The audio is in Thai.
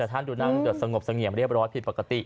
แต่ท่านดูนั่งจดสงบเสงี่ยมเรียบร้อยผิดปกติ